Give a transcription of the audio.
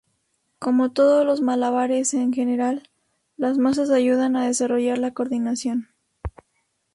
Como todos los malabares en general, las mazas ayudan a desarrollar la coordinación.